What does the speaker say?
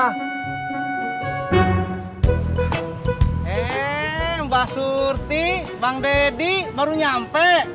hei mbak surti bang deddy baru nyampe